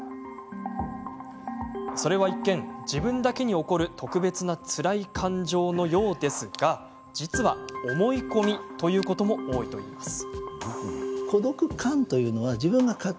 それは一見、自分だけに起こる特別なつらい感情のようですが実は思い込みということも多いといいます。